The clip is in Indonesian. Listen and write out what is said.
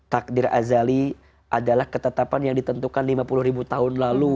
takdir azali adalah ketetapan yang ditentukan lima puluh ribu tahun lalu